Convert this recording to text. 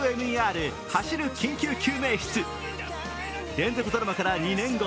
連続ドラマから２年後。